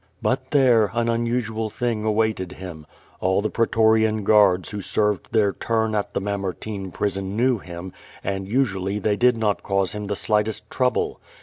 But there an unusual thing awaited liim. All the pretor ian guards who served their turn at the Mamertine prison knew him, and usually they did not cause liim the slightest trouble.